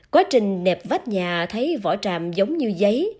quá trình nẹp vách nhà thấy vỏ tràm giống như giấy